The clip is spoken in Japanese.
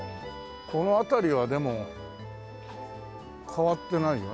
この辺りはでも変わってないよね。